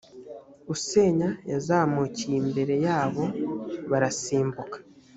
usenya yazamukiye imbere yabo barasimbuka